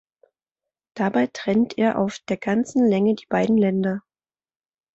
Dabei trennt er auf der ganzen Länge die beiden Länder.